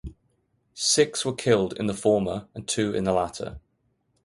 Six were killed in the former and two in the latter.